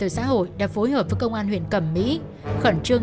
mày muốn chơi không